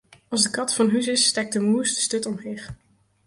As de kat fan hús is, stekt de mûs de sturt omheech.